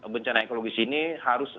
bencana ekologis ini harus